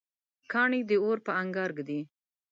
کاڼی د اور په انګار ږدي.